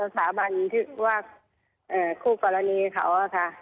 สาบันที่ว่าคู่กรณีเขาอะค่ะ